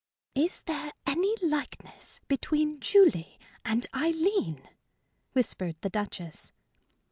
"Is there any likeness between Julie and Aileen?" whispered the Duchess.